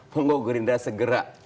nunggu gerindra segera